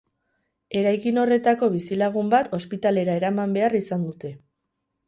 Eraikin horretako bizilagun bat ospitalera eraman behar izan dute.